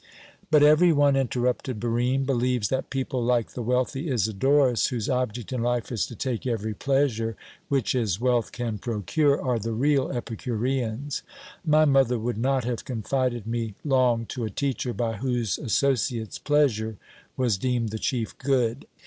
"But every one," interrupted Barine, "believes that people like the wealthy Isidorus, whose object in life is to take every pleasure which his wealth can procure, are the real Epicureans. My mother would not have confided me long to a teacher by whose associates 'pleasure' was deemed the chief good."